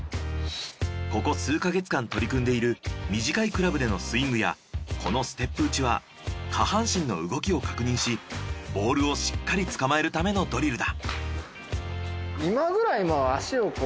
ここ数か月間取り組んでいる短いクラブでのスイングやこのステップ打ちは下半身の動きを確認しボールをしっかりつかまえるためのドリルだ。